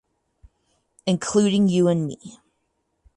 Including you and me.